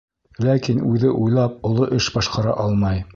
Ләкин үҙе уйлап оло эш башҡара алмай.